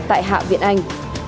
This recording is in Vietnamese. tại hạ viện anh